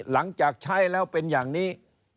หลังจากใช้แล้วเป็นอย่างนี้